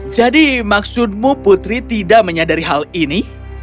jadi maksudmu putri tidak menyadari hal ini